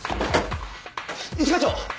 一課長！